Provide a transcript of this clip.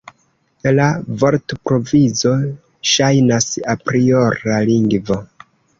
La vortprovizo ŝajnas apriora lingvo.